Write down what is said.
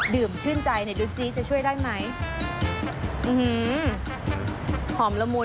ดื่มชื่นใจดูสิจะช่วยได้ไหม